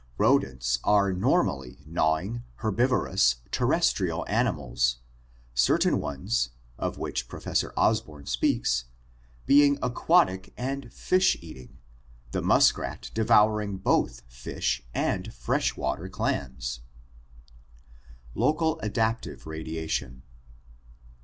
Rodents are normally gnawing, herbivorous, terres trial animals, certain ones, of which Professor Osborn speaks, being aquatic and fish eating, the muskrat devouring both fish and fresh water clams (Unto). Local Adaptive Radiation.